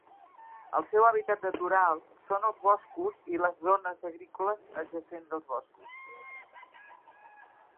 El seu hàbitat natural són els boscos i les zones agrícoles adjacents a boscos.